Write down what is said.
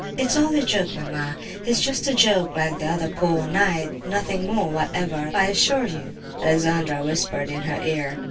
"It's all a joke, mamma; it's just a joke like the 'poor knight'—nothing more whatever, I assure you!" Alexandra whispered in her ear.